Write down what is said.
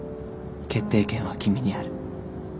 決定権は君にある。